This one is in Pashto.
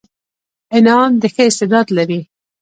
انعام د ښه استعداد لري.